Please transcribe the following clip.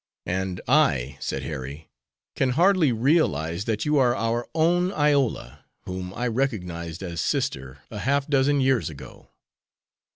"And I," said Harry, "can hardly realize that you are our own Iola, whom I recognized as sister a half dozen years ago."